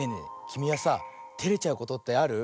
きみはさテレちゃうことってある？